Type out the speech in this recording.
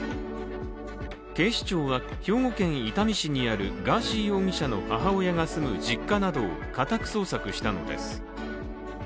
警視庁は兵庫県伊丹市にあるガーシー容疑者の母親が住む実家などを家宅捜索したのです。